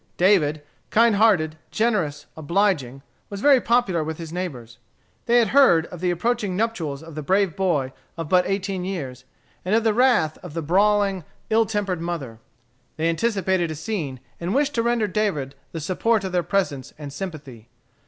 David, kind hearted, generous, obliging, was very popular with his neighbors. They had heard of the approaching nuptials of the brave boy of but eighteen years, and of the wrath of the brawling, ill tempered mother. They anticipated a scene, and wished to render David the support of their presence and sympathy.